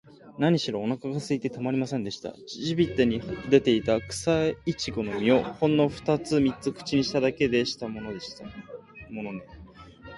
なにしろ、おなかがすいてたまりませんでした。地びたに出ていた、くさいちごの実を、ほんのふたつ三つ口にしただけでしたものね。